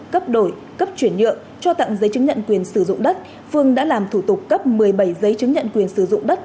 cấp đổi cấp chuyển nhượng cho tặng giấy chứng nhận quyền sử dụng đất phương đã làm thủ tục cấp một mươi bảy giấy chứng nhận quyền sử dụng đất